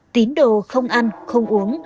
tín đồ không ăn không uống